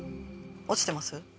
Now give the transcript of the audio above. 落ちてます？